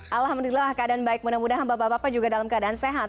alhamdulillah keadaan baik mudah mudahan bapak bapak juga dalam keadaan sehat